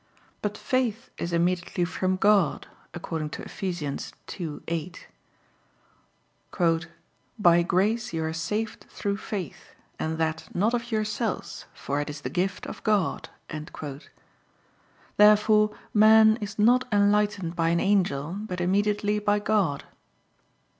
But faith is immediately from God, according to Eph. 2:8: "By grace you are saved through faith, and that not of yourselves, for it is the gift of God." Therefore man is not enlightened by an angel; but immediately by God.